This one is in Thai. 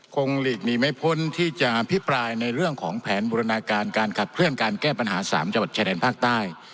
หลีกหนีไม่พ้นที่จะอภิปรายในเรื่องของแผนบูรณาการการขับเคลื่อนการแก้ปัญหา๓จังหวัดชายแดนภาคใต้